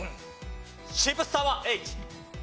渋沢栄一。